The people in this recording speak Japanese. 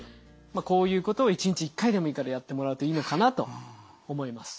まあこういうことを１日１回でもいいからやってもらうといいのかなと思います。